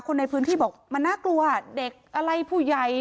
คนในพื้นที่บอกมันน่ากลัวเด็กอะไรผู้ใหญ่